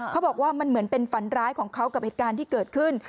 เขาบอกว่ามันเหมือนเป็นฝันร้ายของเขากับเหตุการณ์ที่เกิดขึ้น